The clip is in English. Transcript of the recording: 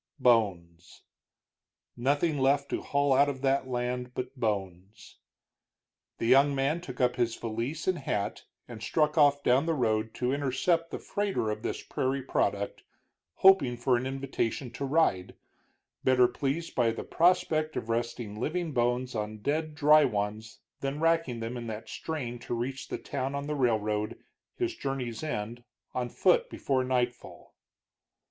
Bones. Nothing left to haul out of that land but bones. The young man took up his valise and hat and struck off down the road to intercept the freighter of this prairie product, hoping for an invitation to ride, better pleased by the prospect of resting living bones on dead dry ones than racking them in that strain to reach the town on the railroad, his journey's end, on foot before nightfall.